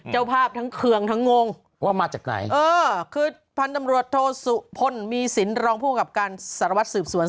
เจ้าภาพทั้งเคืองทั้งงงว่ามาจากไหนเออคือพันธุ์ตำรวจโทษสุพลมีสินรองภูมิกับการสารวัตรสืบสวน